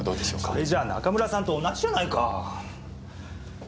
それじゃ中村さんと同じじゃないか。